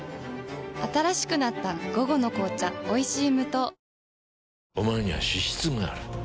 新しくなった「午後の紅茶おいしい無糖」